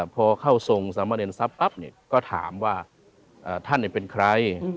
พอเข้าทรงสำเนียนทรัพย์ปั๊บเนี่ยก็ถามว่าท่านเป็นใคร